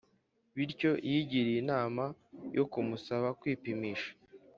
bityo yigiriye inama yo kumusaba kwipimisha